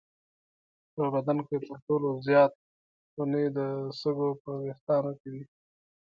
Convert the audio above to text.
په بدن کې تر ټولو زیات خونې د سږو په وېښتانو کې دي.